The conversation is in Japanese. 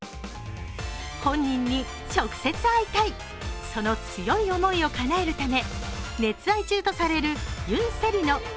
本人に直接会いたい、その強い思いをかなえるため熱愛中とされるユン・セリの顔